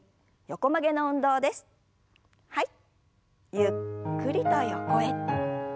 ゆっくりと横へ。